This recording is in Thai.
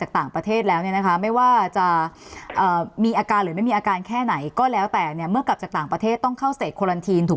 ถ้าเป็นท่านทูตหรือครอบครัวก็จะเข้าไปที่พักของท่านทูต